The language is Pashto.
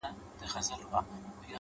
خاوري دي ژوند سه؛ دا دی ارمان دی؛